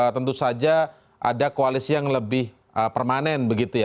tentu saja ada koalisi yang lebih permanen begitu ya